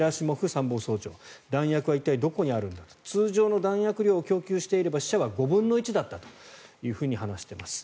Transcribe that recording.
参謀総長弾薬は一体どこにあるんだ通常の弾薬量を供給していれば死者は５分の１だったと話しています。